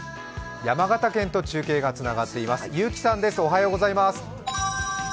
山形県と中継がつながっています。